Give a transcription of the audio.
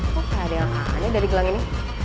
kok ada yang aneh dari gelang ini